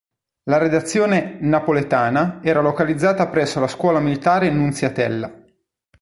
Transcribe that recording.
La redazione "napoletana" era localizzata presso la Scuola Militare Nunziatella.